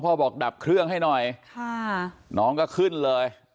บอกดับเครื่องให้หน่อยค่ะน้องก็ขึ้นเลย